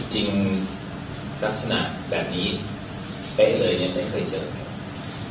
จริงลักษณะแบบนี้เป๊ะเลยเนี่ยไม่เคยเจอครับ